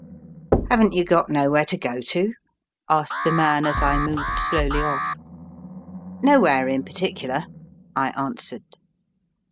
"Haven't you got nowhere to go to?" asked the man, as I moved slowly off. "Nowhere in particular," I answered.